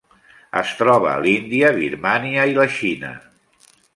Es troba a l'Índia, Birmània i la Xina.